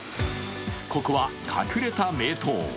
ここは隠れた名湯。